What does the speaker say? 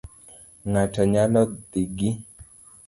Ng'ato nyalo dhi gi